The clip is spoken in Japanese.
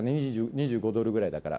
２５ドルぐらいだから。